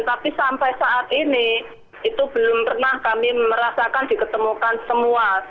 tapi sampai saat ini itu belum pernah kami merasakan diketemukan semua